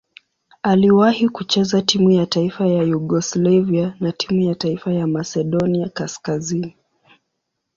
Aliwahi kucheza timu ya taifa ya Yugoslavia na timu ya taifa ya Masedonia Kaskazini.